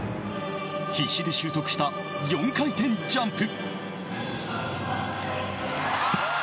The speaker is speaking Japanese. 必死で習得した４回転ジャンプ。